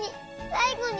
「さいごに」